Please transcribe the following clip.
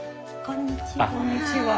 こんにちは。